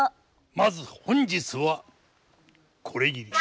まず本日はこれぎり。